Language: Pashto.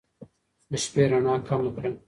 د شپې رڼا کمه کړه